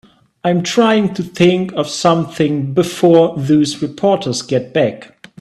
I'm trying to think of something before those reporters get back.